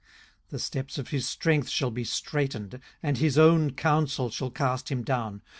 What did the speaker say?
18:018:007 The steps of his strength shall be straitened, and his own counsel shall cast him down.